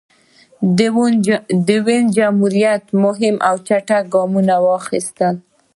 د وینز جمهوریت مهم او چټک ګامونه واخیستل.